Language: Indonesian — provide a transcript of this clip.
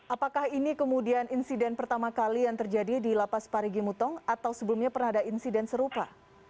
apakah ini kemudian insiden pertama kali yang terjadi di lapas parigi mutong atau sebelumnya pernah ada insiden serupa